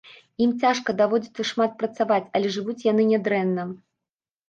Ім цяжка, даводзіцца шмат працаваць, але жывуць яны нядрэнна.